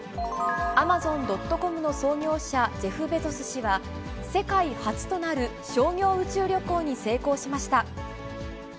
アマゾン・ドット・コムの創業者、ジェフ・ベゾス氏は、世界初となる商業宇宙旅行に成功しました。